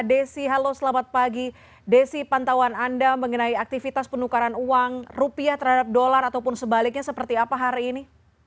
desi halo selamat pagi desi pantauan anda mengenai aktivitas penukaran uang rupiah terhadap dolar ataupun sebaliknya seperti apa hari ini